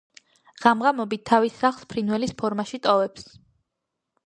ღამ-ღამობით თავის სახლს ფრინველის ფორმაში ტოვებს.